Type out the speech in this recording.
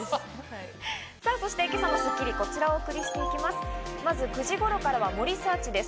今朝の『スッキリ』はこちらお送りしていきます。